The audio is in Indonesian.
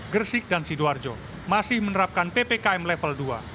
gersik dan sidoarjo masih menerapkan ppkm level dua